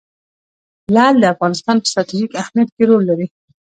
لعل د افغانستان په ستراتیژیک اهمیت کې رول لري.